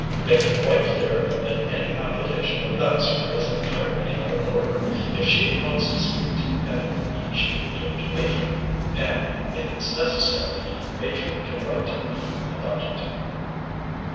Make it quite clear that any application of that sort is entirely out of order. If she wants to speak to any one, she can go to Matron; and if it's necessary, Matron can write to me about it."